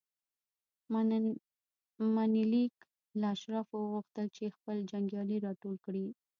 منیلیک له اشرافو وغوښتل چې خپل جنګیالي راټول کړي.